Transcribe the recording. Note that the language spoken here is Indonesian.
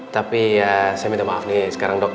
tapi ya saya minta maaf nih sekarang dok